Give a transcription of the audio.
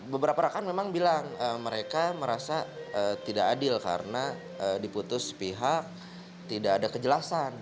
beberapa rakan memang bilang mereka merasa tidak adil karena diputus pihak tidak ada kejelasan